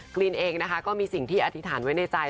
กรีนเองนะคะก็มีสิ่งที่อธิษฐานไว้ในใจ